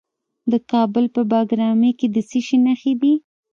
د کابل په بګرامي کې د څه شي نښې دي؟